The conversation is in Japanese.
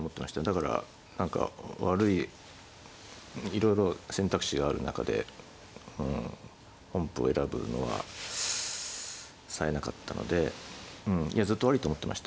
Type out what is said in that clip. だから何か悪いいろいろ選択肢がある中でうん本譜を選ぶのはさえなかったのでうんいやずっと悪いと思ってました。